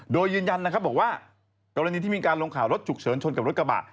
โดยยืนยันนะครับบอกว่ากรณีที่มีการลงข่าวรถฉุกเฉินชนกับรถกระบะ